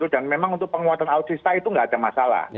dan memang untuk penguatan alutsista itu nggak ada masalah